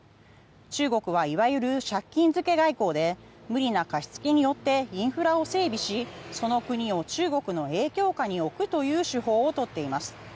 中国はいわゆる借金漬け外交で無理な貸し付けによってインフラを整備しその国を中国の影響下に置くという手法をとっています。